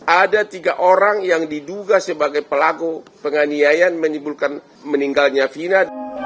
ada tiga orang yang diduga sebagai pelaku penganiayaan meninggalnya vina